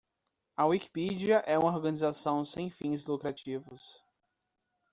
A Wikipedia é uma organização sem fins lucrativos.